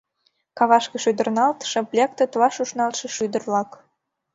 Кавашке шӱдырналт, Шып лектыт ваш ушналтше шӱдыр-влак.